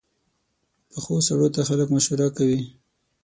پخو سړو ته خلک مشوره کوي